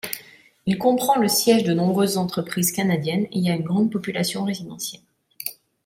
Il comprend le siège de nombreuses entreprises canadiennes et a une grande population résidentielle.